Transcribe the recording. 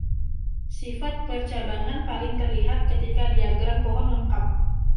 Sifat percabangan paling terlihat ketika diagram pohon lengkap.